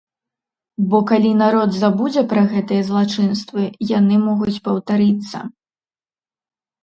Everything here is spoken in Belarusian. Бо калі народ забудзе пра гэтыя злачынствы, яны могуць паўтарыцца.